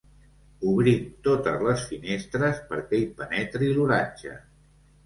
Obrint totes les finestres perquè hi penetri l'oratge.